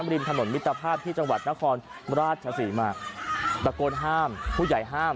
ริมถนนมิตรภาพที่จังหวัดนครราชศรีมาตะโกนห้ามผู้ใหญ่ห้าม